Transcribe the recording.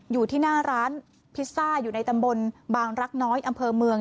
อยู่ที่หน้าร้านพิซซ่าอยู่ในตำบลบางรักน้อยอำเภอเมือง